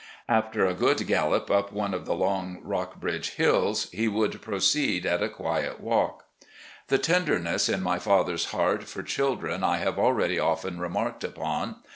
After a good gallop up one of the long Rockbridge hills he would proceed at a quiet walk. The tenderness in my father's heart for children I have already often remarked upon.